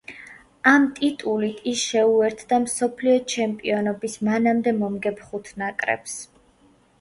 ამ ტიტულით ის შეუერთდა მსოფლიო ჩემპიონობის მანამდე მომგებ ხუთ ნაკრებს.